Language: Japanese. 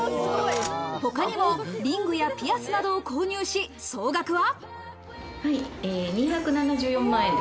他にもリングやピアスなどを購入し、総額は。